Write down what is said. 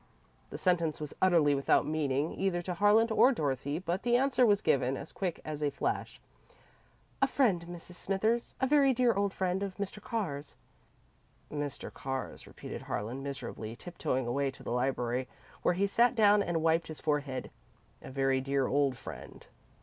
The sentence was utterly without meaning, either to Harlan or Dorothy, but the answer was given, as quick as a flash. "A friend, Mrs. Smithers a very dear old friend of Mr. Carr's." "'Mr. Carr's,'" repeated Harlan, miserably, tiptoeing away to the library, where he sat down and wiped his forehead. "'A very dear old friend.'"